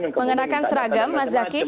menggunakan seragam mas zaky